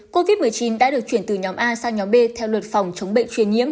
covid một mươi chín đã được chuyển từ nhóm a sang nhóm b theo luật phòng chống bệnh truyền nhiễm